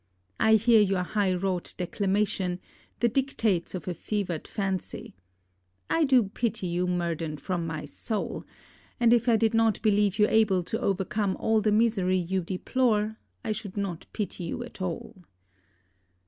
I hear your high wrought declamation, the dictates of a fevered fancy. I do pity you, Murden, from my soul; and if I did not believe you able to overcome all the misery you deplore I should not pity you at all.